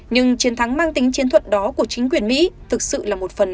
nhưng chiến thắng mang tính chiến thuật đó của chính quyền mỹ thực sự là một phần